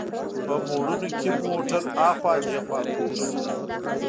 په موړونو کې موټر هاخوا دیخوا کوږ شو.